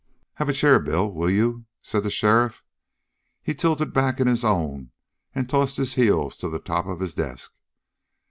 "Have a chair, Bill, will you?" said the sheriff. He tilted back in his own and tossed his heels to the top of his desk.